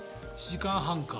１時間半か。